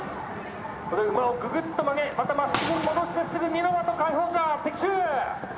ここで馬をぐぐっと曲げまたまっすぐに戻してすぐ二ノ的下方射的中。